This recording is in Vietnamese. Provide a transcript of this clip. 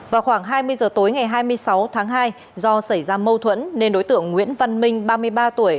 vào khoảng hai mươi giờ tối ngày hai mươi sáu tháng hai do xảy ra mâu thuẫn nên đối tượng nguyễn văn minh ba mươi ba tuổi